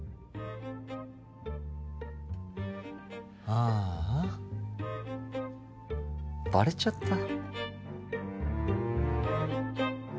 ああバレちゃった